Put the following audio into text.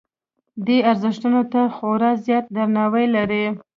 دې ارزښتونو ته خورا زیات درناوی لري.